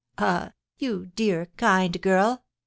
Ah, you dear, kind girl!